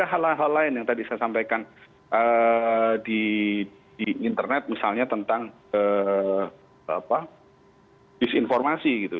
ada hal hal lain yang tadi saya sampaikan di internet misalnya tentang disinformasi gitu